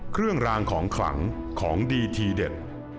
เครื่องรางของขลังของดีทีเด็ด